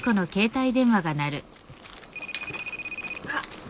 あっ。